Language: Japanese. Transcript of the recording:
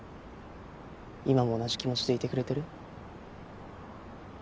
今も同じ気持ちでいてくれてる？